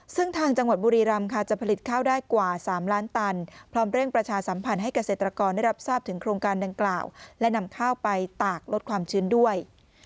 ซึ่งทางจังหวัดบุรีรำค่ะจะผลิตข้าวได้กว่า๓ล้านตันพร้อมเร่งประชาสัมพันธ์ให้เกษตรกรได้รับทราบถึงโครงการดังกล่าวและนำข้าวไปตากลดความชื้นด้วย